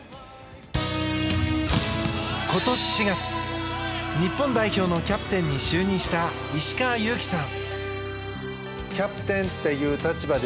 今年４月、日本代表のキャプテンに就任した石川祐希さん。